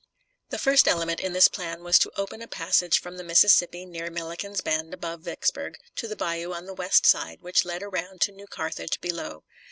The first element in this plan was to open a passage from the Mississippi near Milliken's Bend, above Vicksburg, to the bayou on the west side, which led around to New Carthage below.